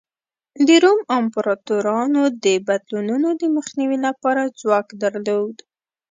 د روم امپراتورانو د بدلونونو د مخنیوي لپاره ځواک درلود.